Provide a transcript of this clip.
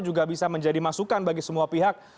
juga bisa menjadi masukan bagi semua pihak